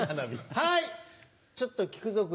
はい。